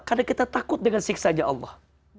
karena kita takut dengan siksa allah